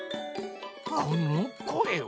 このこえは？